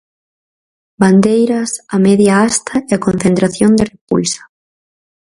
Bandeiras a media hasta e concentración de repulsa.